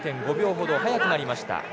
０．５秒ほど速くなりました。